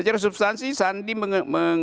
secara substansi sandi meng